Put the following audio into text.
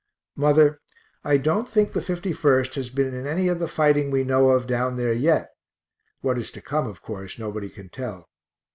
Mother, I don't think the 51st has been in any of the fighting we know of down there yet what is to come of course nobody can tell.